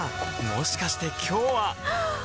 もしかして今日ははっ！